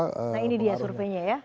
nah ini dia surveinya ya